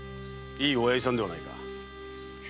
いい親父さんではないか。